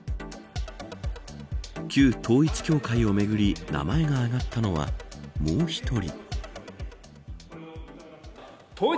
旧統一教会をめぐり名前が挙がったのはもう１人。